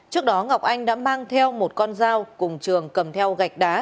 trước đó ngọc anh đã mang theo một con dao cùng trường cầm theo gạch đá